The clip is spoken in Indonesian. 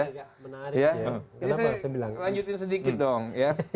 jadi saya lanjutin sedikit dong ya